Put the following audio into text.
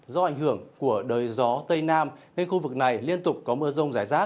do ảnh hưởng của đời gió tây nam nên khu vực này liên tục có mưa rông rải rác